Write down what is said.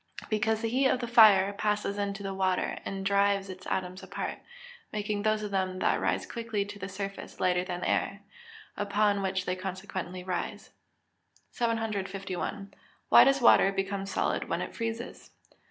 _ Because the heat of the fire passes into the water, and drives its atoms apart, making those of them that rise quickly to the surface lighter than the air, upon which they consequently rise. 751. _Why does water become solid when it freezes?